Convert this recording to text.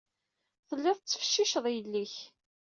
Tellid tettfecciced yelli-k.